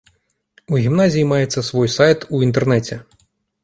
У гімназіі маецца свой сайт у інтэрнэце.